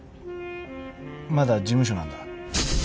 まだ事務所なんだ☎